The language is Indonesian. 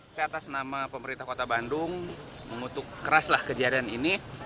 saya atas nama pemerintah kota bandung mengutuk keraslah kejadian ini